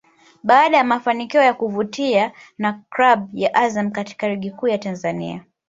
Baada ya mafanikio ya kuvutia na klabu ya Azam katika Ligi Kuu ya Tanzania